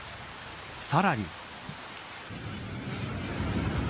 さらに。